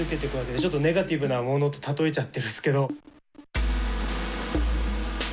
ちょっとネガティブなもので例えちゃってるすけど。